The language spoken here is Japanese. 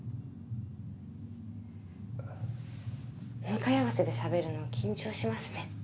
向かい合わせでしゃべるの緊張しますね。